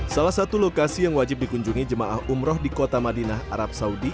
salah satu lokasi yang wajib dikunjungi jemaah umroh di kota madinah arab saudi